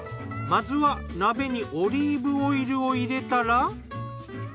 まずは鍋にオリーブオイルを入れたら。